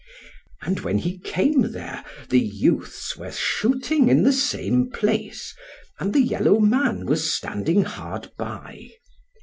And when he came there the youths were shooting in the same place, and the yellow man was standing hard by.